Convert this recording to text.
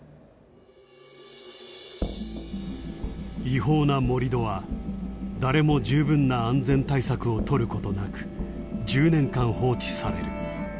違法な盛り土は誰も十分な安全対策をとることなく１０年間放置される。